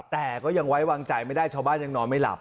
แต่ก็ยังไว้วางใจไม่ได้ชาวบ้านยังนอนไม่หลับ